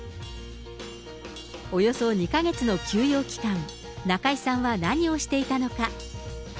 およそ２か月の休養期間、中居さんは何をしていたのか。